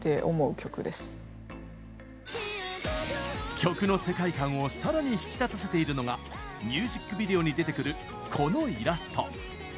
曲の世界観をさらに引き立たせているのがミュージックビデオに出てくるこのイラスト。